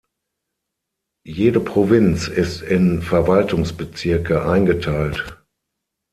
Jede Provinz ist in Verwaltungsbezirke eingeteilt.